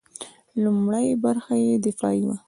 لومړۍ برخه یې دفاعي وه.